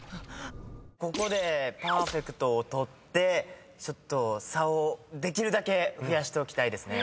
ここでパーフェクトを取ってちょっと差をできるだけ増やしておきたいですね。